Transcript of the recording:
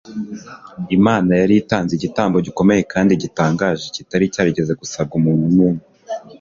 Imana yari itanze igitambo gikomeye kandi gitangaje kitari cyarigeze gusabwa umuntu numwe.